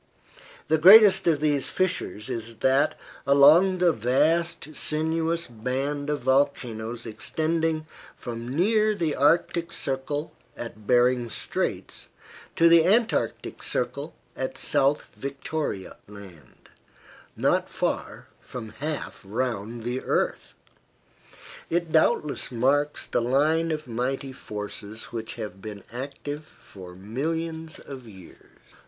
The greatest of these fissures is that along the vast sinuous band of volcanoes extending from near the Arctic circle at Behring's Straits to the Antarctic circle at South Victoria Land, not far from half round the earth. It doubtless marks the line of mighty forces which have been active for millions of years.